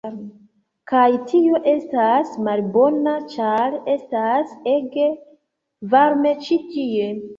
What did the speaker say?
kaj tio estas malbona, ĉar estas ege varme ĉi tie